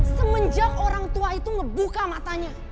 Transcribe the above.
semenjak orang tua itu ngebuka matanya